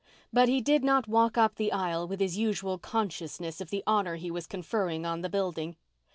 But he did not walk up the aisle with his usual consciousness of the honour he was conferring on the building.